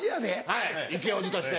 はいイケおじとして。